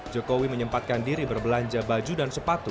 jokowi menyempatkan diri berbelanja baju dan sepatu